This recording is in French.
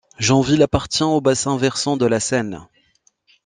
Jambville appartient au bassin versant de la Seine.